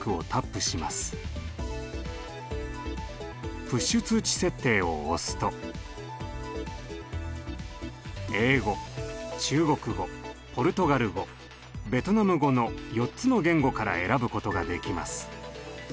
プッシュ通知設定を押すと英語中国語ポルトガル語ベトナム語の４つの言語から選ぶことができます。